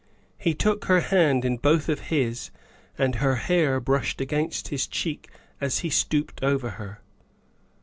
He took her hand in both of his, and her hair brushed against his cheek as he stooped over her.